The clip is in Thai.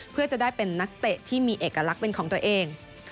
เพื่อจะได้เป็นนักเตะที่มีเอกลักษณ์เป็นของตัวเอง